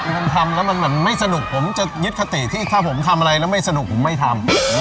มันทำแล้วมันไม่สนุกผมจะยึดคติที่ถ้าผมทำอะไรแล้วไม่สนุกผมไม่ทำ